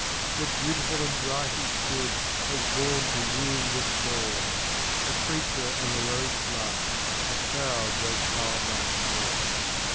Yet beautiful and bright he stood, As born to rule the storm; A creature of heroic blood, A proud though childlike form.